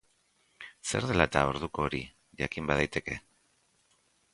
Zer dela eta orduko hori, jakin badaiteke?